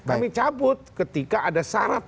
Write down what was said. kami cabut ketika ada syarat